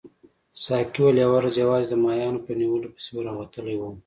ساقي وویل یوه ورځ یوازې د ماهیانو په نیولو پسې راوتلی وم.